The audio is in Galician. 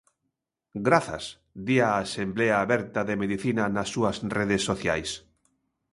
Grazas, di a Asemblea Aberta de Medicina nas súas redes sociais.